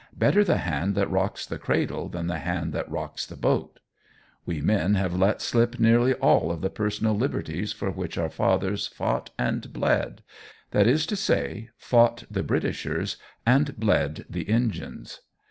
Better the hand that rocks the cradle than the hand that rocks the boat. We men have let slip nearly all of the personal liberties for which our fathers fought and bled that is to say, fought the Britishers and bled the Injuns.